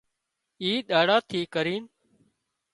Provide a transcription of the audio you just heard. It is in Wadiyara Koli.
اي ۮاڙا ٿي ڪرينَ